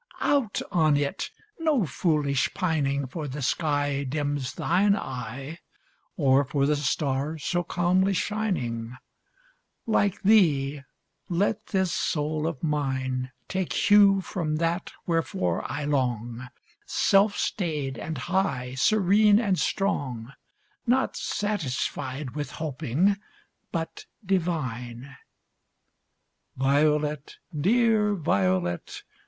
Out on it! no foolish pining For the sky Dims thine eye, Or for the stars so calmly shining; Like thee let this soul of mine Take hue from that wherefor I long, Self stayed and high, serene and strong, Not satisfied with hoping but divine. Violet! dear violet!